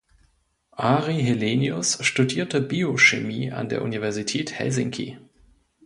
Ari Helenius studierte Biochemie an der Universität Helsinki.